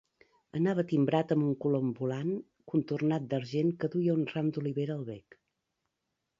Anava timbrat amb un colom volant contornat d'argent que duia un ram d'olivera al bec.